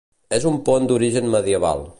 És un pont d'origen medieval.